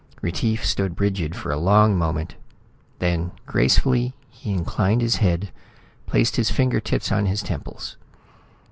Retief stood rigid for a long moment. Then, gracefully, he inclined his head, placed his finger tips on his temples.